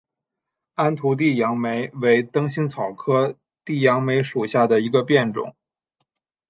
安图地杨梅为灯心草科地杨梅属下的一个变种。